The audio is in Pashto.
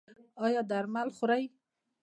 ایا درمل خورئ؟